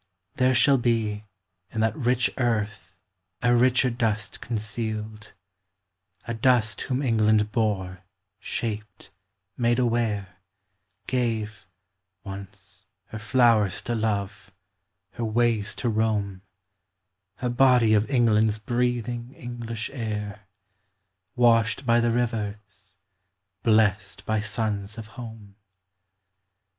There shall be In that rich earth a richer dust concealed; A dust whom England bore, shaped, made aware, Gave, once, her flowers to love, her ways to roam, A body of England's, breathing English air, Washed by the rivers, blest by suns of home.